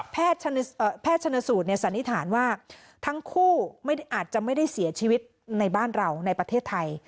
แพทย์ชนสูตรสันนิษฐานว่าทั้งคู่อาจจะไม่ได้เสียชีวิตในบ้านเราในประเทศไทย